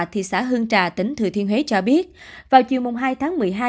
thị xã hương trà tỉnh thừa thiên huế cho biết vào chiều hai tháng một mươi hai